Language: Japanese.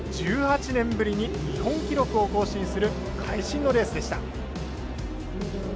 １８年ぶりに日本記録を更新する会心のレースでした。